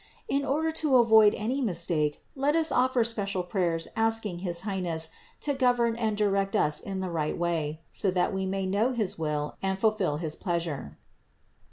In order to avoid any mistake, let us offer special prayers asking his Highness to govern and direct us in the right way, so that we may know his will and fulfill his pleasure."